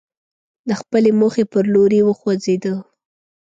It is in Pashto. د خپلې موخې پر لوري وخوځېدو.